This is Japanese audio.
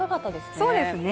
そうですね